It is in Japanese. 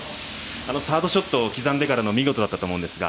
サードショットを刻んでから見事だったと思うんですが。